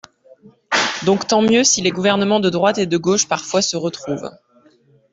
Donc tant mieux si les gouvernements de droite et de gauche parfois se retrouvent.